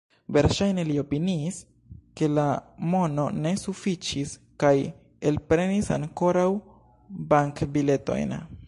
Verŝajne li opiniis, ke la mono ne sufiĉis, kaj elprenis ankoraŭ bankbiletojn.